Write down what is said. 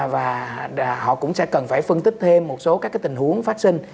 và họ cũng sẽ cần phải phân tích thêm một số các tình huống phát sinh